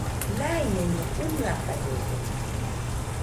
Naiñaiño ɨnɨakañede